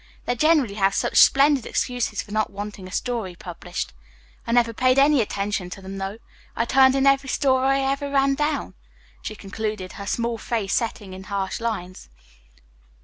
They generally have such splendid excuses for not wanting a story published. I never paid any attention to them, though. I turned in every story I ever ran down," she concluded, her small face setting in harsh lines.